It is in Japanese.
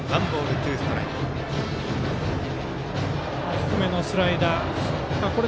低めのスライダー。